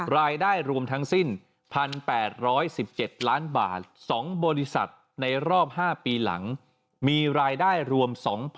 รายได้รวมทั้งสิ้น๑๘๑๗ล้านบาท๒บริษัทในรอบ๕ปีหลังมีรายได้รวม๒๐๐๐